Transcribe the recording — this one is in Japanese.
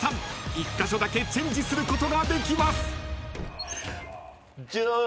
［１カ所だけチェンジすることができます］